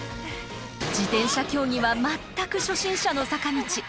自転車競技は全く初心者の坂道。